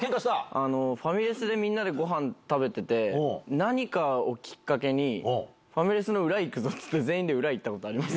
あの、ファミリレスでみんなでごはん食べてて、何かをきっかけに、ファミレスの裏行くぞって言って、全員で裏行ったことあります。